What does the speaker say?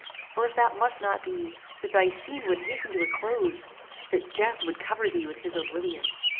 or, if that must not be, that thy scene would hasten to a close! that death would cover thee with his oblivion!